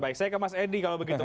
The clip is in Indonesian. baik saya ke mas edi kalau begitu